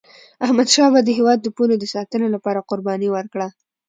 احمدشاه بابا د هیواد د پولو د ساتني لپاره قرباني ورکړه.